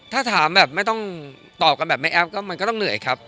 ถ้าถามแบบไม่ต้องตอบกันแบบแม่แอฟก็มันก็ต้องเหนื่อยครับ